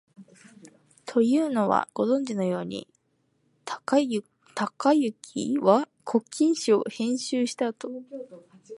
というのは、ご存じのように、貫之は「古今集」を編集したあと、